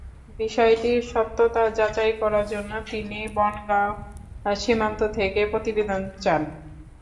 বিষয়টির সত্যতা যাচাই করার জন্য তিনি বনগাঁ সীমান্ত থেকে প্রতিবেদন চান।